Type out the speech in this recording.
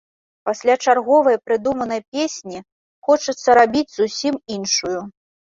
Пасля чарговай прыдуманай песні хочацца рабіць зусім іншую.